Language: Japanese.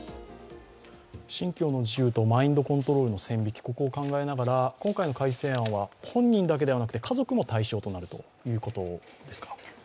信教の自由とマインドコントロールの線引き、ここを考えながら、今回の改正案は本人だけではなくて家族も対象になるということですか。